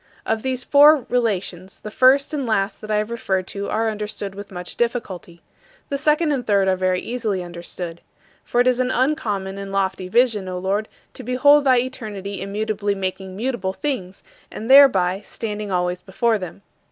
Of these four relations, the first and last that I have referred to are understood with much difficulty. The second and third are very easily understood. For it is an uncommon and lofty vision, O Lord, to behold thy eternity immutably making mutable things, and thereby standing always before them.